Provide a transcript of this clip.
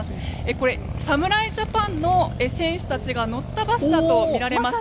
これは侍ジャパンの選手たちが乗ったバスだとみられます。